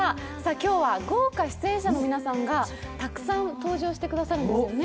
今日は豪華出演者の皆さんがたくさん登場してくださるんですよね。